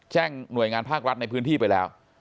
หน่วยงานภาครัฐในพื้นที่ไปแล้ว